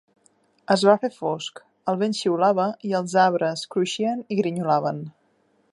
Es va fer fosc, el vent xiulava i els arbres cruixien i grinyolaven.